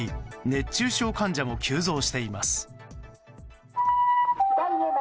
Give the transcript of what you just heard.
熱中症患者も急増しています。